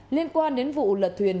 liên quan đến vụ lật thuyền